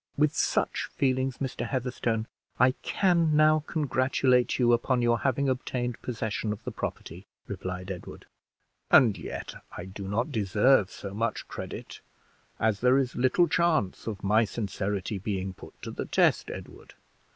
"With such feelings, Mr. Heatherstone, I can now congratulate you upon your having obtained possession of the property," replied Edward. "And yet I do not deserve so much credit, as there is little chance of my sincerity being put to the test, Edward.